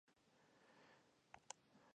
خټکی د عضلو درد کموي.